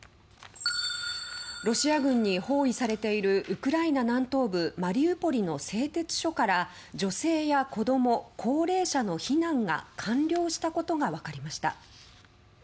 ロシア軍に包囲されているウクライナ南東部マリウポリの製鉄所から女性や子供、高齢者の避難が完了したことが分かりました。